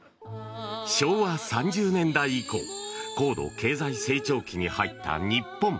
昭和３０年代以降高度経済成長期に入った日本。